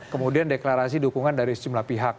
kemudian deklarasi dukungan dari sejumlah pihak